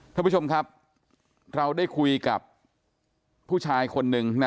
ท่านผู้ชมครับเราได้คุยกับผู้ชายคนหนึ่งนะ